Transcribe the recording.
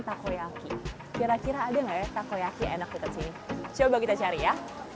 takoyaki kira kira ada enak coba kita cari ya satu ratus dua puluh tiga